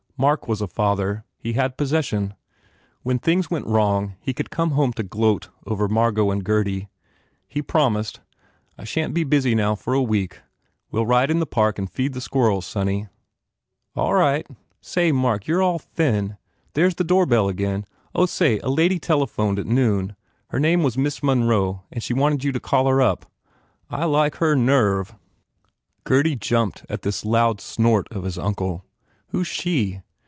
Mark was a father. He had possession. When things went wrong he could come home to 63 THE FAIR REWARDS gloat over Margot and Gurdy. He promised, "I shan t be busy now for a week. We ll ride in the Park and feed the squirrels, sonny." U A11 right. Say, Mark, you re all thin. There s the doorbell, again. Oh, say, a lady telephoned s noon. Her name was Miss Monroe and she wanted you to call her up." "I like her nerve !" Gurdy jumped at this loud snort of his uncle. "Who s she?"